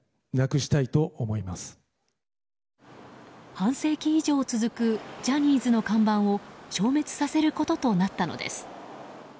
半世紀以上続くジャニーズの看板を消滅させることとなったのです。